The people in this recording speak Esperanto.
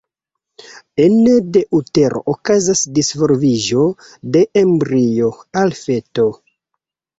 Ene de utero okazas disvolviĝo de embrio al feto.